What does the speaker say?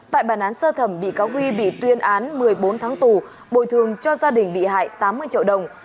tại bản án sơ thẩm bị cáo huy bị tuyên án một mươi bốn tháng tù bồi thường cho gia đình bị hại tám mươi triệu đồng